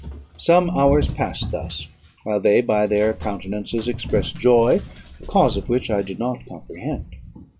Some hours passed thus, while they, by their countenances, expressed joy, the cause of which I did not comprehend.